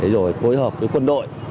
rồi phối hợp với quân đội